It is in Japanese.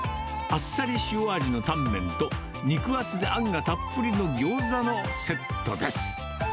あっさり塩味のタンメンと、肉厚であんがたっぷりのギョーザのセットです。